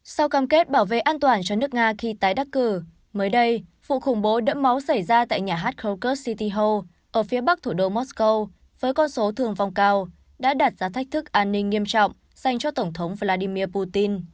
sau cam kết bảo vệ an toàn cho nước nga khi tái đắc cử mới đây vụ khủng bố đẫm máu xảy ra tại nhà hát krokus city ho ở phía bắc thủ đô mosco với con số thường vong cao đã đặt ra thách thức an ninh nghiêm trọng dành cho tổng thống vladimir putin